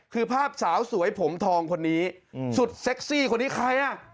คือภาพสาวสวยผมทองคนนี้สุดเซ็กซี่คนนี้ใครอ่ะ